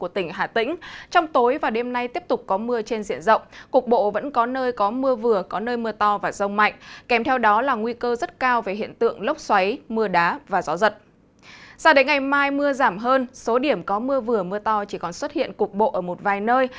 tại ngày mai mưa giảm hơn số điểm có mưa vừa mưa to chỉ còn xuất hiện cục bộ ở một vài nơi